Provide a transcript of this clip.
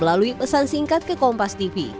melalui pesan singkat ke kompas tv